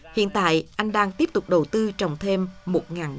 hiện tại anh đang tiếp tục đầu tư trồng thêm một m hai